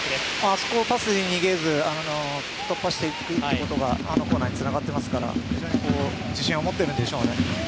あそこ、パスに逃げず突破していくことが、あのコーナーにつながってますから自信を持っているんでしょうね。